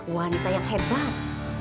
wanita yang hebat